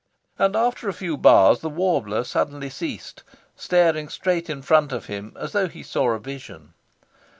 And after a few bars the warbler suddenly ceased, staring straight in front of him as though he saw a vision.